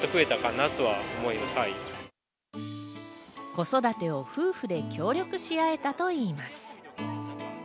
子育てを夫婦で協力し合えたといいます。